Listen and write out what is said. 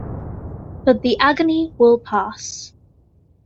But the agony will pass.